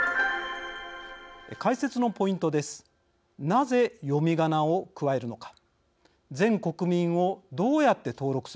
解説のポイントです。